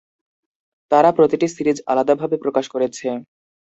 তারা প্রতিটি সিরিজ আলাদাভাবে প্রকাশ করেছে।